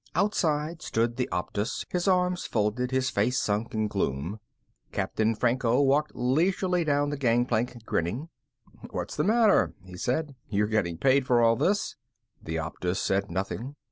Outside stood the Optus, his arms folded, his face sunk in gloom. Captain Franco walked leisurely down the gangplank, grinning. "What's the matter?" he said. "You're getting paid for all this." The Optus said nothing.